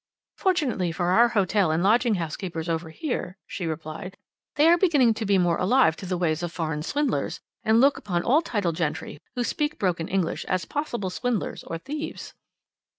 '" "Fortunately for our hotel and lodging house keepers over here," she replied, "they are beginning to be more alive to the ways of foreign swindlers, and look upon all titled gentry who speak broken English as possible swindlers or thieves."